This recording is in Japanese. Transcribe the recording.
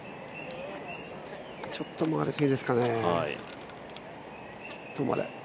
ちょっと曲がりすぎですかね、止まれ。